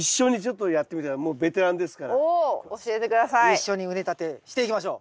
一緒に畝立てしていきましょう。